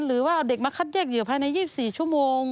หรือว่าเอาเด็กมาคัดแยกเหยื่อภายใน๒๔ชั่วโมง